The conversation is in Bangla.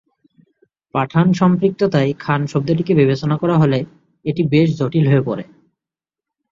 পাঠান সম্পৃক্ততায় খান শব্দটিকে বিবেচনা করা হলে, এটি বেশ জটিল হয়ে পরে।